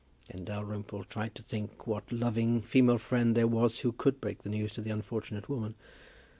Then Dalrymple tried to think what loving female friend there was who could break the news to the unfortunate woman.